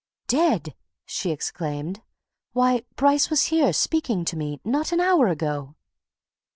"Dead!" she exclaimed. "Why Bryce was here, speaking to me, not an hour ago!"